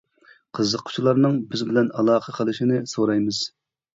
قىزىققۇچىلارنىڭ بىز بىلەن ئالاقە قىلىشىنى سورايمىز.